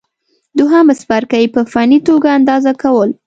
دوهم څپرکی: په فني توګه اندازه کول